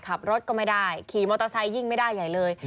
ขับรถก็ไม่ได้ขี่มอเตอร์ไซค์ยิ่งไม่ได้ใหญ่เลย